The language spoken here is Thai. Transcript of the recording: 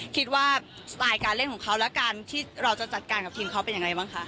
สไตล์การเล่นของเขาและการที่เราจะจัดการกับทีมเขาเป็นยังไงบ้างคะ